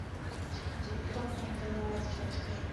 ئىككىنچى، ئىرق پەرقى ناھايىتى چوڭ ئىكەن.